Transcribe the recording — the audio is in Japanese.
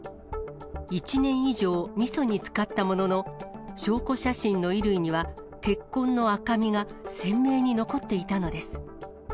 １年以上、みそにつかったものの、証拠写真の衣類には、血痕の赤みが鮮明に残っていたのです。